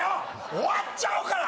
終わっちゃうから！